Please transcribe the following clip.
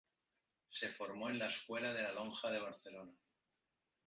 Se formó en la Escuela de la Lonja de Barcelona.